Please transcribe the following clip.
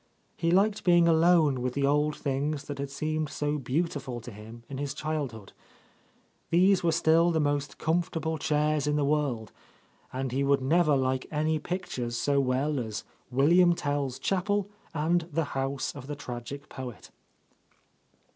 He liked being alone with the old things that had seemed so beautiful to him in his childhood. These were still the most comfort able chairs in the world, and he would never like any pictures so well as "William Tell's Chapel" and "The House of the Tragic Poet."